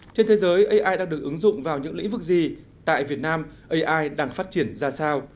trên thế giới ai đang được ứng dụng vào những lĩnh vực gì tại việt nam ai đang phát triển ra sao